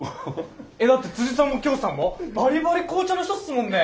だってさんもきょーさんもバリバリ紅茶の人っすもんね。